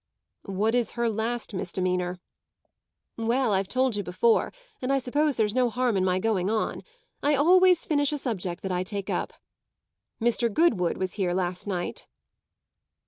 "What is her last misdemeanour?" "Well, I've told you before, and I suppose there's no harm in my going on. I always finish a subject that I take up. Mr. Goodwood was here last night."